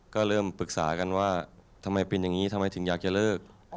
ก็เริ่มปรึกษากันว่าทำไมเป็นอย่างนี้ทำไมถึงอยากจะเลิก